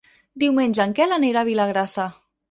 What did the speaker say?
Diumenge en Quel anirà a Vilagrassa.